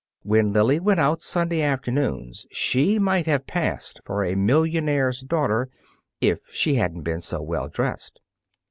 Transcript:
When Lily went out Sunday afternoons, she might have passed for a millionaire's daughter if she hadn't been so well dressed.